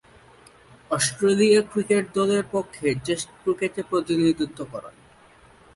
Australia cricket দলের পক্ষে test ক্রিকেটে প্রতিনিধিত্ব করেন।